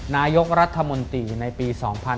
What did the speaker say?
นายกรัฐมนตรีในปี๒๕๕๙